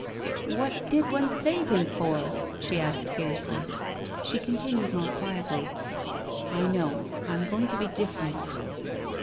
"What did one save him for?" she asked fiercely. She continued more quietly, " I know. I am going to be different."